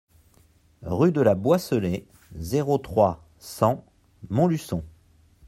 Rue de la Boisselée, zéro trois, cent Montluçon